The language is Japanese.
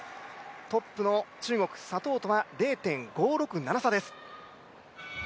トップの中国・左トウとは０．５６７差です。